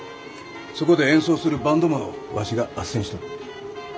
そこで演奏するバンドマンをわしが斡旋しとる。